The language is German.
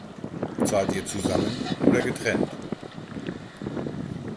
Zahlt ihr zusammen oder getrennt?